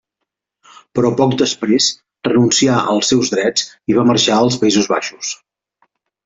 Però poc després renuncià als seus drets i va marxar als Països Baixos.